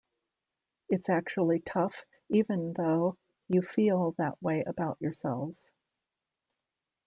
It's actually tough, even though you feel that way about yourselves.